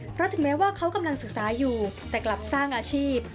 เพราะถึงแม้ว่าเขากำลังศึกษาอยู่แต่กลับสร้างอาชีพ